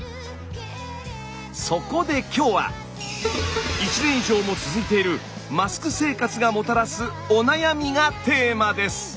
そこで今日は１年以上も続いているマスク生活がもたらすお悩みがテーマです。